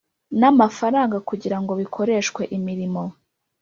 namafaranga kugira bikoreshwe imirimo